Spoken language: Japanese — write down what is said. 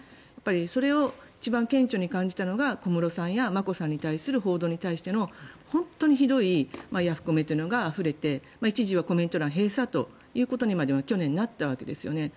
それを一番、顕著に感じたのが小室さんや眞子さんに対する報道に対しての本当にひどいヤフコメというのがあふれて一時はコメント欄閉鎖ということまで去年はなったわけですね。